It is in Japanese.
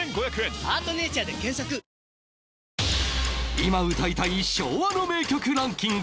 今歌いたい！昭和の名曲ランキング